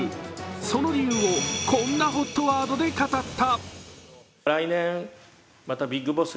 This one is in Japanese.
その理由を、こんなＨＯＴワードで語った。